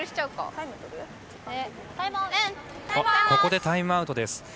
ここでタイムアウトです。